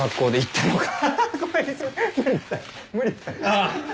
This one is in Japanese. ああ。